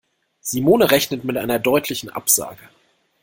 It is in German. Simone rechnet mit einer deutlichen Absage.